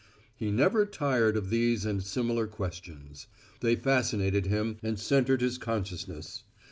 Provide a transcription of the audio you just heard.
He never tired of these and similar questions. They fascinated him and centered his consciousness.